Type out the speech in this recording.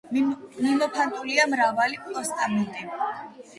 მიმოფანტულია მრავალი პოსტამენტი.